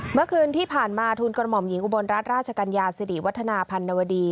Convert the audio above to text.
เมื่อคืนที่ผ่านมาทุนกระหม่อมหญิงอุบลรัฐราชกัญญาสิริวัฒนาพันนวดี